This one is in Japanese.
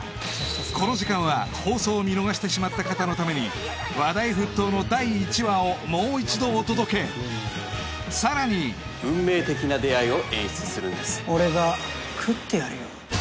この時間は放送を見逃してしまった方のために話題沸騰の第１話をもう一度お届けさらに運命的な出会いを演出するんです俺が喰ってやるよ